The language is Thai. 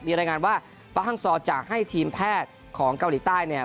มีรายงานว่าป้าฮังซอร์จะให้ทีมแพทย์ของเกาหลีใต้เนี่ย